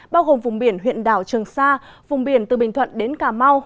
bao gồm vùng biển huyện đảo trường sa vùng biển từ bình thuận đến cà mau